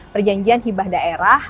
perjanjian hibah daerah